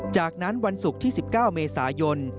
จากนั้นวันศุกร์ที่๑๙เมษายน